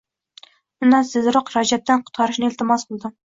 Undan tezroq Rajabdan qutqarishni iltimos qildim